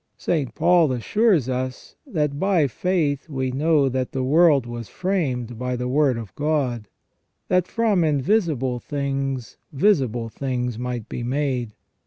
St. Paul assures us that " by faith we know that the world was framed by the Word of God ; that from invisible things visible things might be made